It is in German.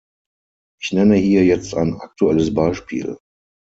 Ich nenne hier jetzt ein aktuelles Beispiel.